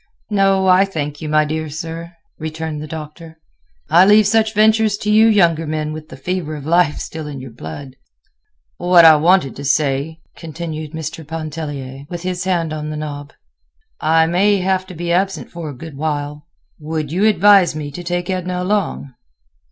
"No, I thank you, my dear sir," returned the Doctor. "I leave such ventures to you younger men with the fever of life still in your blood." "What I wanted to say," continued Mr. Pontellier, with his hand on the knob; "I may have to be absent a good while. Would you advise me to take Edna along?"